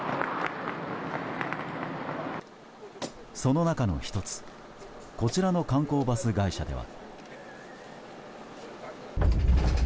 その中の１つこちらの観光バス会社では。